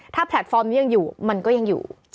ถ้าแพลตฟอร์มนี้ยังอยู่มันก็ยังอยู่